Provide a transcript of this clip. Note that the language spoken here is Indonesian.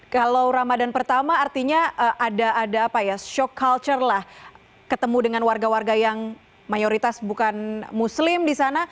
kalau ramadan pertama artinya ada apa ya shock culture lah ketemu dengan warga warga yang mayoritas bukan muslim di sana